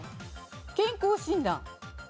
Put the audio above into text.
健康診断。